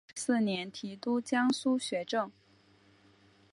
乾隆五十四年提督江苏学政。